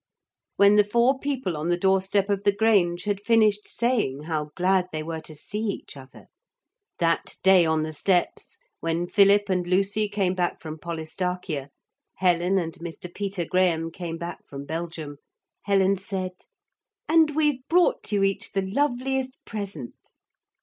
When the four people on the doorstep of the Grange had finished saying how glad they were to see each other that day on the steps when Philip and Lucy came back from Polistarchia, Helen and Mr. Peter Graham came back from Belgium Helen said: 'And we've brought you each the loveliest present.